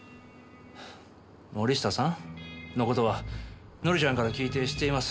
森下さんの事は紀ちゃんから聞いて知っています。